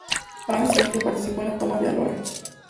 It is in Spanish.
Al año siguiente participó en la toma de Álora.